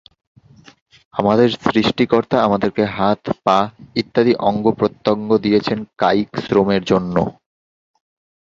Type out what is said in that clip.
আমাদের সৃষ্টিকর্তা আমাদেরকে হাত, পা ইত্যাদি অঙ্গ-প্রত্যঙ্গ দিয়েছেন কায়িক শ্রমের জন্য।